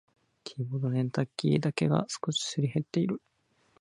キーボードのエンターキーだけが少しすり減っている。